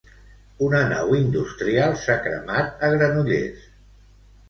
Una nau industrial s'ha cremat a Granollers.